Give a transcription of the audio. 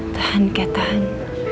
tahan kate tahan